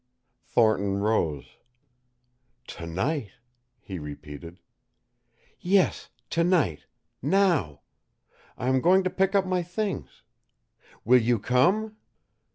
Thornton rose. "To night," he repeated. "Yes, to night now. I am going to pick up my things. Will you come?"